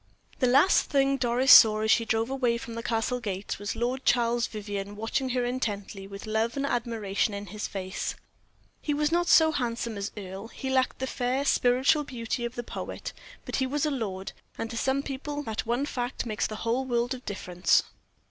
The last thing Doris saw, as she drove away from the Castle gates, was Lord Charles Vivianne watching her intently, with love and admiration in his face. He was not so handsome as Earle; he lacked the fair, spiritual beauty of the poet; but he was a lord, and, to some people, that one fact makes the whole world of difference.